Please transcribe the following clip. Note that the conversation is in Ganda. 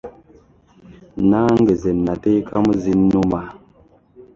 Nange ze nateekamu zinnuma.